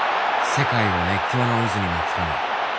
世界を熱狂の渦に巻き込むＦＩＦＡ